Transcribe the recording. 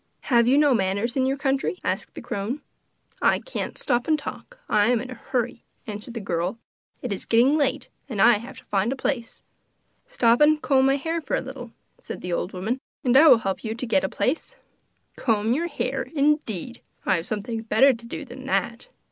'Have you no manners in your country?' asked the crone. 'I can't stop and talk; I am in a hurry,' answered the girl. 'It is getting late, and I have to find a place.' 'Stop and comb my hair for a little,' said the old woman, 'and I will help you to get a place.' 'Comb your hair, indeed! I have something better to do than that!